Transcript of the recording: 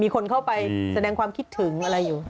คนเข้าไปแสดงความคิดถึงอะไรอยู่